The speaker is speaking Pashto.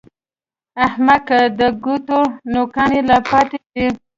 احمقه! د ګوتو نوکان يې لا پاتې دي!